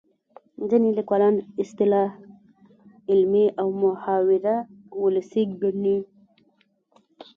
ځینې لیکوالان اصطلاح علمي او محاوره ولسي ګڼي